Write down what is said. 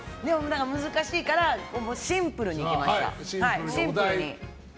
難しいからシンプルにいきました。